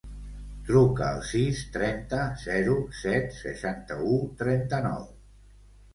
Truca al sis, trenta, zero, set, seixanta-u, trenta-nou.